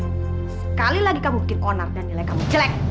sekali lagi kamu bikin onar dan nilai kamu jelek